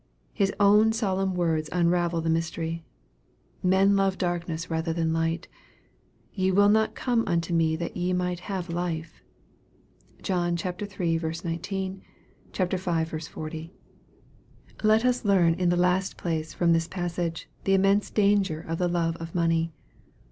His own solemn words unravel the mystery, " Men love darkness rather than light." " Ye will not come unto me that ye might have life." (John iii. 19 ; v. 40.) Let us learn, in the last place, from this passage, the immense danger of the love of money.